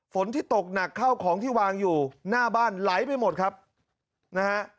ฝนที่ตกหนักเข้าของที่วางอยู่หน้าบ้านไหลไปหมดครับนะฮะ